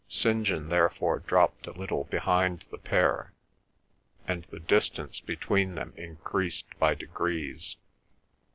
St. John therefore dropped a little behind the pair, and the distance between them increased by degrees.